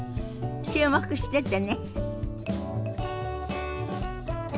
注目しててね。